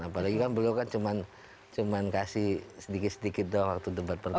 apalagi kan beliau kan cuman cuman kasih sedikit sedikit doang waktu debat pertama